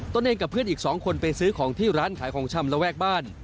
ตัวเองกับเพื่อนอีก๒คนไปซื้อของที่ร้านขายของชำระแวกบ้าน